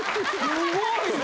すごいわ！